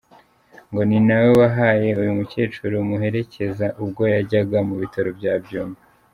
Ngo ninawe wahaye uyu mukecuru umuherekeza ubwo yajyaga ku bitaro bya Byumba.